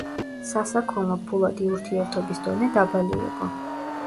სასაქონლო-ფულადი ურთიერთობის დონე დაბალი იყო.